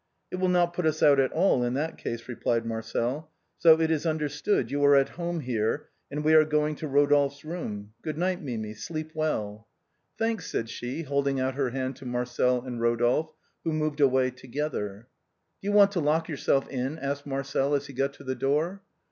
" It will not put us out at all in that case," replied Marcel, " so it is understood, you are at home here, and we are going to Rodolphe's room. Good night, Mimi, sleep well." EPILOGUE TO THE LOVES OF RODOLPHE AND MIMI. 327 " Thanks/' said she, holding out her hand to Marcel and Eodolphe, who moved away together. " Do you want to lock yourself in ?" asked Marcel as he got to the door.